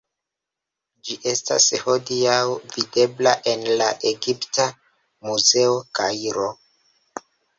Ĝi estas hodiaŭ videbla en la Egipta Muzeo, Kairo.